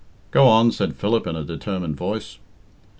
"Go on," said Philip in a determined voice.